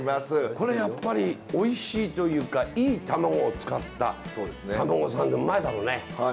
これやっぱりおいしいというかいいたまごを使ったたまごサンドうまいだろうね。